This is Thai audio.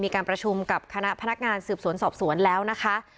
มีการประชุมกับคณะพนักงานสืบสวนสอบสวนแล้วนะคะ